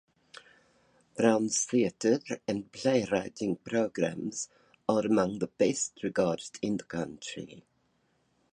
Brown's theatre and playwriting programs are among the best-regarded in the country.